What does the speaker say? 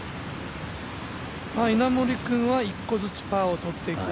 稲森君は１個ずつ、パーを取っていく。